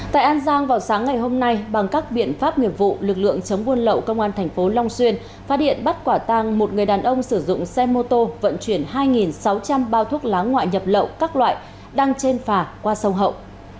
tại an giang vào sáng ngày hôm nay bằng các biện pháp nghiệp vụ lực lượng chống buôn lậu công an thành phố long xuyên phát hiện bắt quả tăng một người đàn ông sử dụng xe mô tô vận chuyển hai sáu trăm linh bao thuốc lá ngoại nhập lậu các loại đang trên phà qua sông hậu